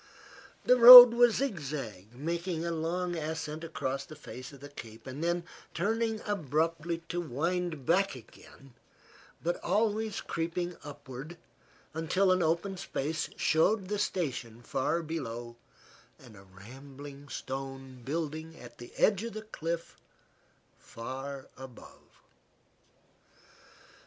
The road was zigzag, making a long ascent across the face of the cape, then turning abruptly to wind back again, but always creeping upward until an open space showed the station far below and a rambling stone building at the edge of the cliff far above.